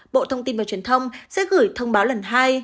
bộ thông tin và truyền thông sẽ gửi thông báo lần hai